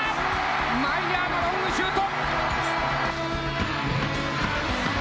マイヤーのロングシュート！